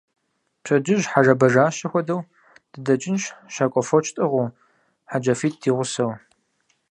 Пщэдджыжь хьэжэбэжащэ хуэдэу дыдэкӀынщ, щакӀуэ фоч тӀыгъыу, хьэджафитӀ ди гъусэу.